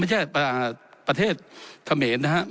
ไม่ใช่ประเทศเขมรนะครับ